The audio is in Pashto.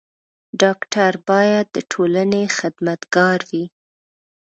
ډاکټر بايد د ټولني خدمت ګار وي.